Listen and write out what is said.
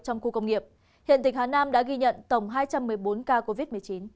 trong khu công nghiệp hiện tỉnh hà nam đã ghi nhận tổng hai trăm một mươi bốn ca covid một mươi chín